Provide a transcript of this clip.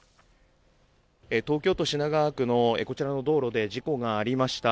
東京都品川区のこちらの道路で事故がありました。